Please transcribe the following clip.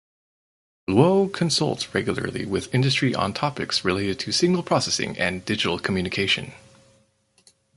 Luo consults regularly with industry on topics related to signal processing and digital communication.